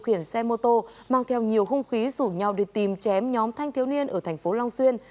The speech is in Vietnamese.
khiển xe mô tô mang theo nhiều không khí rủ nhau đi tìm chém nhóm thanh thiếu niên ở tp long xuyên